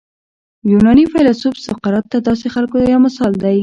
یوناني فیلسوف سقراط د داسې خلکو یو مثال دی.